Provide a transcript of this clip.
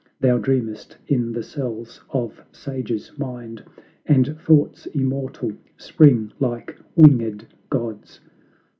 Thou dreamest in the cells of sage's mind, And thoughts, immortal, spring like winged gods.